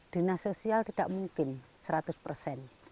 dinas sosial tidak mungkin seratus persen